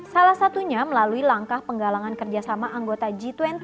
salah satunya melalui langkah penggalangan kerjasama anggota g dua puluh